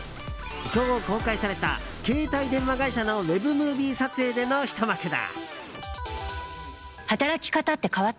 今日公開された携帯電話会社のＷＥＢムービー撮影でのひと幕だ。